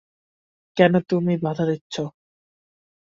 কেন এতে তুমি বাধা দিচ্ছ?